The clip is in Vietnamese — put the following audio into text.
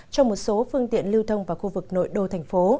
cho một số phương tiện lưu thông vào khu vực nội đô thành phố